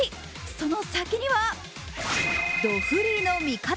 その先にはどフリーの味方。